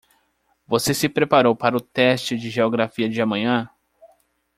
Você se preparou para o teste de Geografia de amanhã?